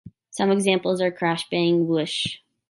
Some examples are crash, bang, whoosh.